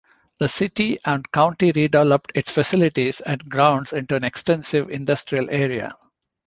The city and county redeveloped its facilities and grounds into an extensive industrial area.